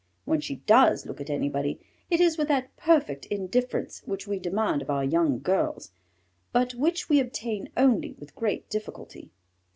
When she does look at anybody it is with that perfect indifference which we demand of our young girls, but which we obtain only with great difficulty.